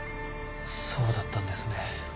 そうだったんですね。